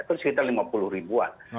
itu sekitar lima puluh ribuan